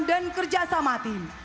dan kerja sama tim